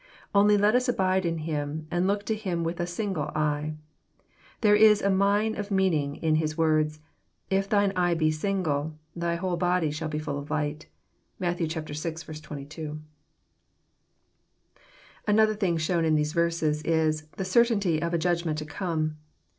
Only let us abide in Him, and look to Him with a single eye. There is a mine of meaning in His words, ^^ If thine eye be single, thy whole body shall be full of light." (Matt. vi. 22.) Another thing shown in these verses is, the certainty of a judgment to come.